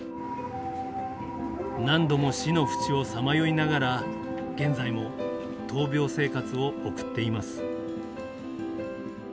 何度も死のふちをさまよいながら現在も闘病生活を送っています。